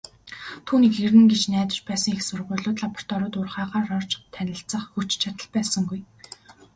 Түүнийг ирнэ гэж найдаж байсан их сургуулиуд, лабораториуд, уурхайгаар орж танилцах хүч чадал байсангүй.